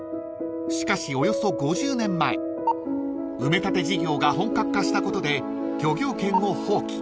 ［しかしおよそ５０年前埋め立て事業が本格化したことで漁業権を放棄］